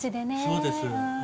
そうです。